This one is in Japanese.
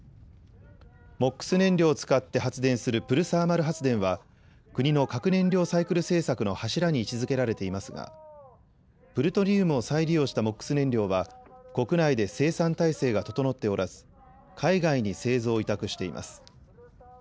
ＭＯＸ燃料を使って発電するプルサーマル発電は国の核燃料サイクル政策の柱に位置づけられていますがプルトニウムを再利用したＭＯＸ燃料は国内で生産体制が整っておらず海外に製造を委託しています。